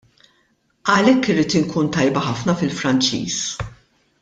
Għalhekk irrid inkun tajba ħafna fil-Franċiż.